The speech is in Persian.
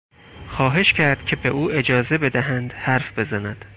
خواهش کرد که به او اجازه بدهند حرف بزند.